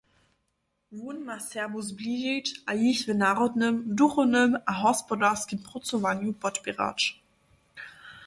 Wón ma Serbow zbližić a jich w narodnym, duchownym a hospodarskim prócowanju podpěrać.